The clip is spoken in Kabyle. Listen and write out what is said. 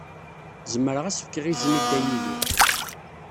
Zemreɣ ad as-fkeɣ izen i Dda Yidir.